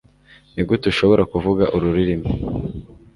Nigute ushobora kuvuga uru rurimi